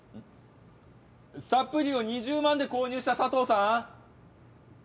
サプリを２０万で購入したサトウさん